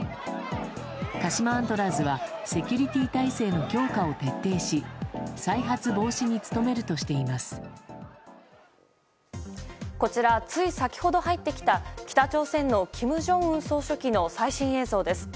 鹿島アントラーズは、セキュリティー体制の強化を徹底し、再発防止に努めるとしていまこちら、つい先ほど入ってきた、北朝鮮のキム・ジョンウン総書記の最新映像です。